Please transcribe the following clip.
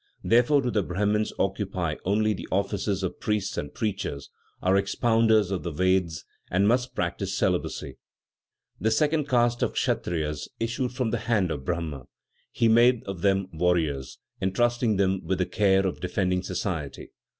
Therefore do the Brahmins occupy only the offices of priests and preachers, are expounders of the Vedas, and must practice celibacy. The second caste of Kshatriyas issued from the hand of Brahma. He made of them warriors, entrusting them with the care of defending society.